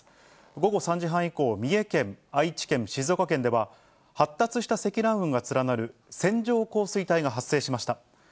午後３時半以降、三重県、愛知県、静岡県では、発達した積乱雲が連なる線状降水帯が発生しました。